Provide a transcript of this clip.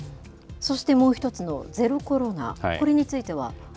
そしてもう１つのゼロコロナ、これについては？